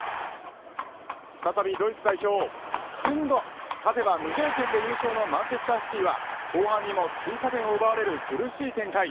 再びドイツ代表勝てば無条件で優勝のマンチェスターシティは後半にも追加点を奪われる苦しい展開。